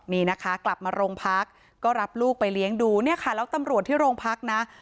นี่นะคะกลับมาโรงพักก็รับลูกไปเลี้ยงดูเนี่ยค่ะแล้วตำรวจที่โรงพักนะ